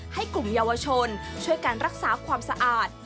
ให้กลุ่มเยาวชนช่วยการรักษาความสะอาด